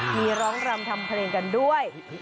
มีร้องรำทำเพลงกันด้วย